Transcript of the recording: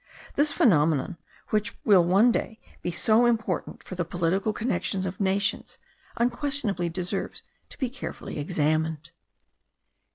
This phenomenon, which will one day be so important for the political connections of nations, unquestionably deserves to be carefully examined.